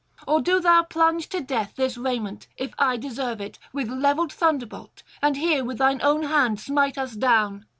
Or do thou plunge to death this remnant, if I deserve it, with levelled thunderbolt, and here with thine own hand smite us down.'